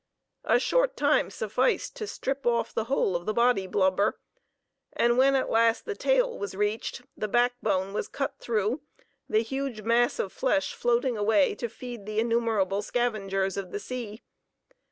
A short time sufficed to strip off the whole of the body blubber, and when at last the tail was reached, the backbone was cut through, the huge mass of flesh floating away to feed the innumerable scavengers of the sea.